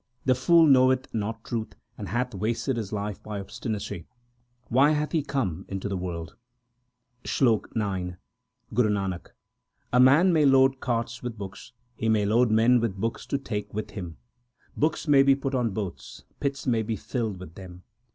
The fool knoweth not truth, and hath wasted his life by obstinacy ; Why hath he come into the world ? SLOK IX Guru Nanak A man may load carts with books ; he may load men with books to take with him ; Books may be put on boats ; pits may be filled with them.